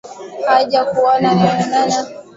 huja kuona kama kana kwamba walidanganywaa